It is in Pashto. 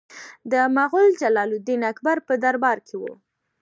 د مغول جلال الدین اکبر په دربار کې و.